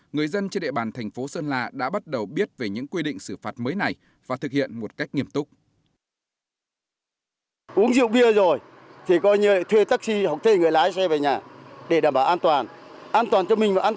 người dân trên địa bàn thành phố sơn la đã bắt đầu biết về những quy định xử phạt mới này và thực hiện một cách nghiêm túc